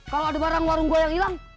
kalau ada barang warung gue yang hilang